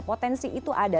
potensi itu ada